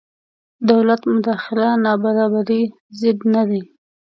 دولت مداخله نابرابرۍ ضد نه دی.